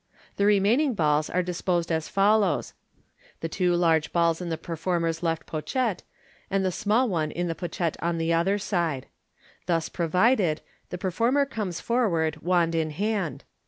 The remaining balls are disposed as follows : the two large balls in the performer's left pochette, and the small one in the pochette on the other side. Thus provided, the performer comes forward, wand in hand.